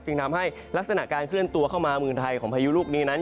ทำให้ลักษณะการเคลื่อนตัวเข้ามาเมืองไทยของพายุลูกนี้นั้น